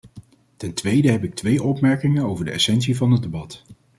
Ten tweede heb ik twee opmerkingen over de essentie van het debat.